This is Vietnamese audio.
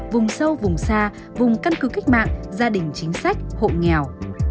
vùng sâu vùng xa vùng căn cứ cách mạng gia đình chính sách hộ nghèo